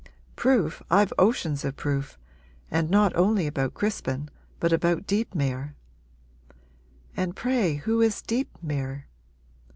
'Proof, I've oceans of proof! And not only about Crispin, but about Deepmere.' 'And pray who is Deepmere?'